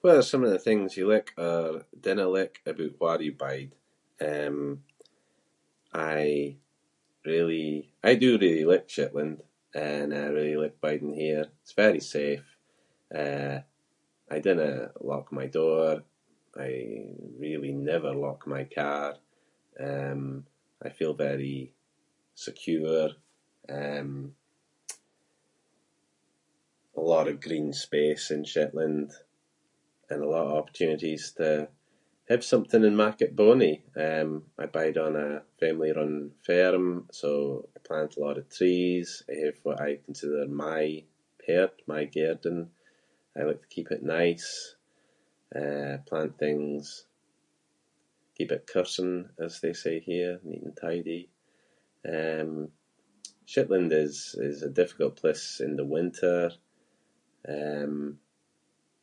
What are some of the things you like or dinna like aboot where you bide? Um, I really- I do really like Shetland and I really like biding here. It’s very safe. Eh, I dinna lock my door. I really never lock my car. Um, I feel very secure. Um, a lot of green space in Shetland and a lot of opportunities to have something and mak it bonnie. Um, I bide on a family-run farm so I plant a lot of trees. I have what I consider my part- my garden. I like to keep it nice, eh, plant things- keep it coursing as they say here, neat and tidy. Um, Shetland is- is a difficult place in the winter. Um,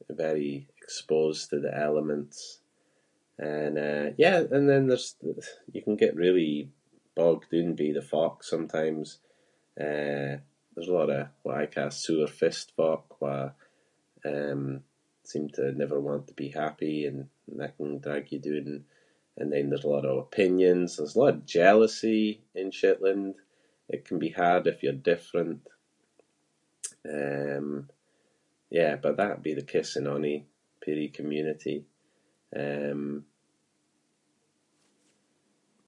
you’re very exposed to the elements and, uh, yeah- and then there’s- you can get really bogged doon with the folk sometimes. Eh, there’s a lot of what I ca’ soor-faced folk who are, um- seem to never want to be happy and that can drag you doon. And then there’s a lot of opinions- there’s a lot of jealousy in Shetland. It can be hard if you’re different. Um, yeah but that’d be the case in ony peerie community. Um-